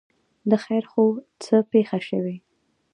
ـ خیر خو وو، څه پېښه شوې؟